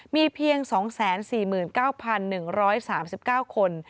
มีเพียง๒๔๙๑๓๙คน